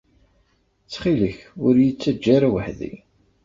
Ttxil-k, ur iyi-ttaǧǧa ara weḥd-i.